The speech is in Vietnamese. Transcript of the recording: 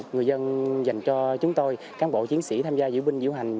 người dân dành cho chúng tôi cán bộ chiến sĩ tham gia diễu binh diễu hành